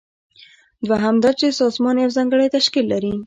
دوهم دا چې سازمان یو ځانګړی تشکیل لري.